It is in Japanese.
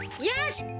よし！